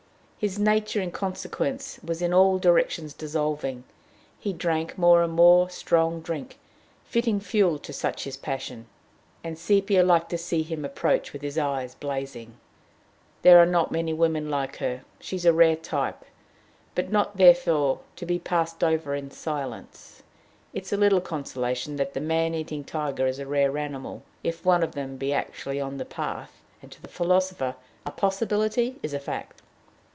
His nature, in consequence, was in all directions dissolving. He drank more and more strong drink, fitting fuel to such his passion, and Sepia liked to see him approach with his eyes blazing. There are not many women like her; she is a rare type but not, therefore, to be passed over in silence. It is little consolation that the man eating tiger is a rare animal, if one of them be actually on the path; and to the philosopher a possibility is a fact.